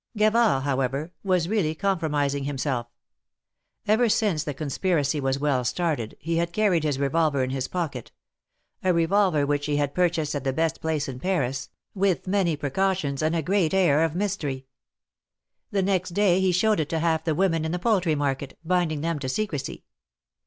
Gavard, however, was really compromising himself. Ever since the conspiracy was well started, he had carried his revolver in his pocket — a revolver which he had pur chased at the best place in Paris, with many precautions 256 THE MARKETS OF PARIS. and a great air of mystery. The next day he showed it to half the women in the poultry market, binding them to secrecy.